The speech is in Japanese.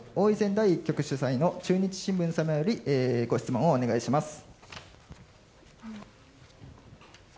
第１局主催の中日新聞様よりご質問をお願いします。